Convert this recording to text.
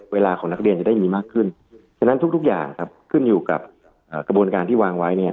เวลาของนักเรียนจะได้มีมากขึ้นฉะนั้นทุกอย่างครับขึ้นอยู่กับกระบวนการที่วางไว้เนี่ย